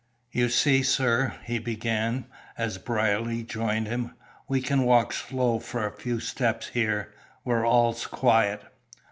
"You see, sir," he began, as Brierly joined him, "we can walk slow for a few steps here, where all's quiet."